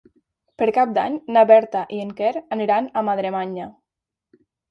Per Cap d'Any na Berta i en Quer aniran a Madremanya.